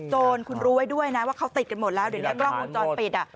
โจรคุณรู้ไว้ด้วยนะว่าเขาติดกันหมดแล้วเดี๋ยวนี้กล้องวงจรปิดอ่ะ